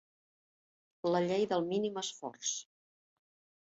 La llei del mínim esforç.